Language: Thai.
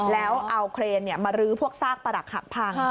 แล้วเอาเครนมารื้อพวกซากปรักหักพัง